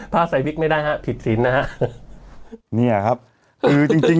ใส่วิกไม่ได้ฮะผิดศีลนะฮะเนี่ยครับคือจริงจริง